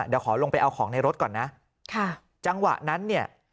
เดี๋ยวขอลงไปเอาของในรถก่อนนะค่ะจังหวะนั้นเนี่ย